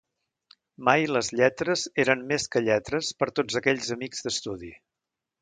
Mai les lletres eren més que lletres per tots aquells amics d'estudi.